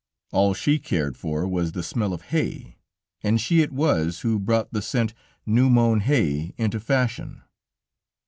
All she cared for was the smell of hay, and she it was who brought the scent New Mown Hay into fashion.